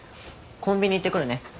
コンビニ行ってくるね。